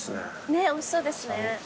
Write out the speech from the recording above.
ねえおいしそうですね。